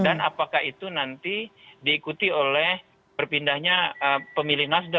dan apakah itu nanti diikuti oleh perpindahnya pemilih nasdem